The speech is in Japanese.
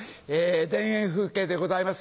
田園風景でございます。